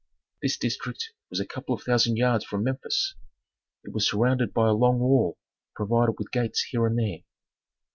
This district was a couple of thousand yards from Memphis. It was surrounded by a long wall provided with gates here and there.